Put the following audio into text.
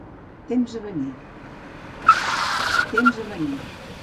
Temps a venir.